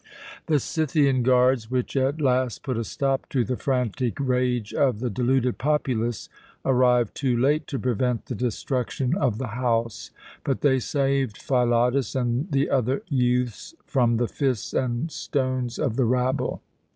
The Scythian guards, which at last put a stop to the frantic rage of the deluded populace, arrived too late to prevent the destruction of the house, but they saved Philotas and the other youths from the fists and stones of the rabble.